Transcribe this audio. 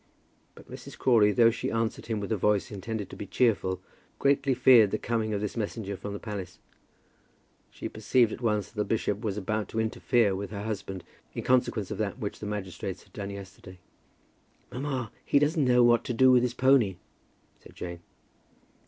But Mrs. Crawley, though she answered him with a voice intended to be cheerful, greatly feared the coming of this messenger from the palace. She perceived at once that the bishop was about to interfere with her husband in consequence of that which the magistrates had done yesterday. "Mamma, he doesn't know what to do with his pony," said Jane.